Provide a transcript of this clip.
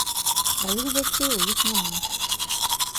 Сваіх дзяцей у іх няма.